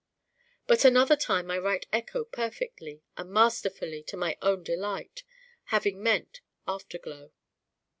But another time I write Echo perfectly and masterfully to my own delight: having meant After glow.